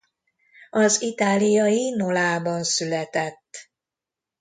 Az itáliai Nolában született.